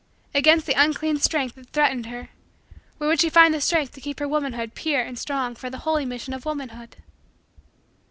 Against the unclean strength that threatened her, where would she find the strength to keep her womanhood pure and strong for the holy mission of womanhood?